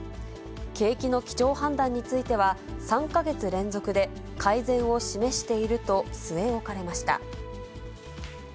景気の基調判断については、３か月連続で、改善を示していると据え置かれました。